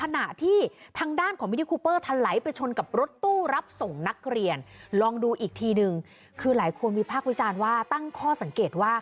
มีภาควิดชาญว่าตั้งข้อสังเกตว่า